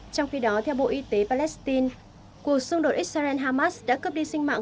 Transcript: trong khi đó theo bộ y tế palestine cuộc xung đột israel hamas đã cướp đi sinh mạng